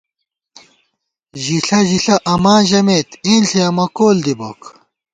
ژِݪہ ژِݪہ اماں ژَمېت اېنݪی امہ کول دِی بوک